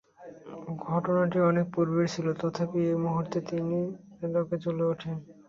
ঘটনাটি অনেক পূর্বের ছিল, তথাপি এ মুহূর্তেও তিনি রাগে জ্বলে ওঠেন।